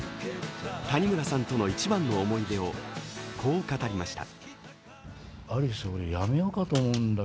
谷村さんとの一番の思い出をこう語りました。